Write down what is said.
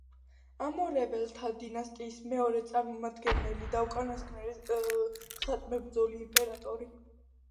ამორეველთა დინასტიის მეორე წარმომადგენელი და უკანასკნელი ხატმებრძოლი იმპერატორი.